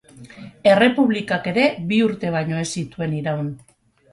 Errepublikak ere bi urte baino ez zituen iraun.